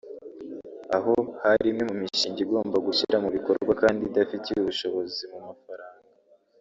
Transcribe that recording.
aho hari imwe mu mishinga igomba gushyira mu bikorwa kandi idafitiye ubushobozi mu mafaranga